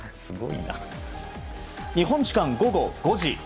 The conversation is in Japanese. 日本時間午後５時。